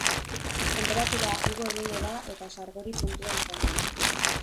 Tenperatura igo egingo da eta sargori puntua izango da.